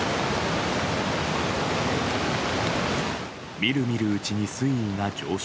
見る見るうちに水位が上昇。